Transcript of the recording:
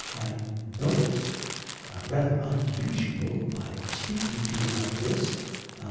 I know it is rather unusual my speaking to you like this.